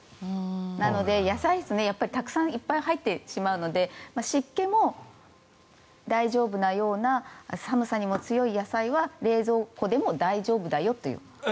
なので、野菜室はいっぱい入ってしまうので湿気も大丈夫なような寒さにも強い野菜は冷蔵庫でも大丈夫だよという。